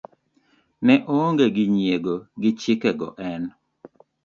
ne oonge gi nyiego gi chike go en